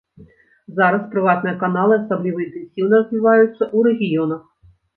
Зараз прыватныя каналы асабліва інтэнсіўна развіваюцца ў рэгіёнах.